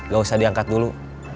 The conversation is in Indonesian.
lo bisa diangkat dulu